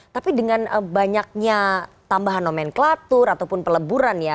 tapi dengan banyaknya tambahan nomenklatur ataupun peleburan ya